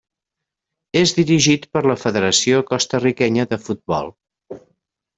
És dirigit per la Federació Costa-riquenya de Futbol.